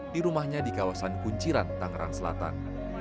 di rumahnya di kawasan kunciran tangerang selatan